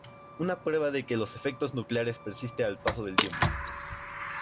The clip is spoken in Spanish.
Una prueba de que los efectos nucleares persiste al paso del tiempo.